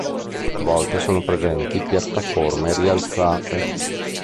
A volte sono presenti piattaforme rialzate.